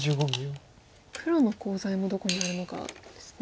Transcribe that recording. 黒のコウ材もどこにあるのかですね。